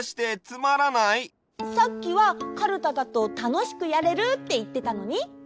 さっきは「カルタだとたのしくやれる」っていってたのに？